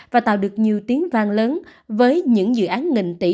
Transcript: và tạo được nhiều tiếng vang lớn với những dự án nghìn tỷ